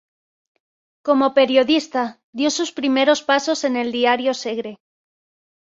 Como periodista dio sus primeros pasos en el diario Segre.